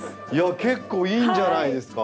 結構いいんじゃないですか？